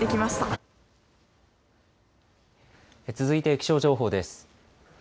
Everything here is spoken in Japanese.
続いて気象情報です。